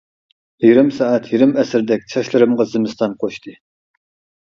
يېرىم سائەت يېرىم ئەسىردەك، چاچلىرىمغا زىمىستان قوشتى.